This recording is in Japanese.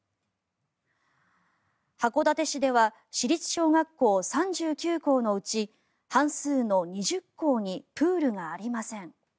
函館市では市立小学校３９校のうち半数の２０校にプールがありません。